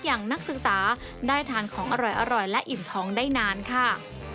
นักศึกษาได้ทานของอร่อยและอิ่มท้องได้นานค่ะ